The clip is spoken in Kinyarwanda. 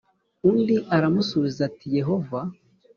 Undi aramusubiza ati yehova